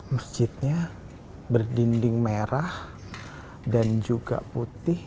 masjidnya berdinding merah dan juga putih